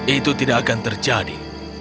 itu tidak akan terjadi